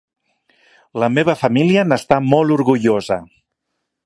La meva família n'està molt orgullosa.